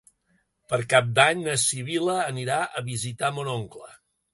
Per Cap d'Any na Sibil·la anirà a visitar mon oncle.